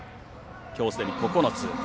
きょう、すでに９つ。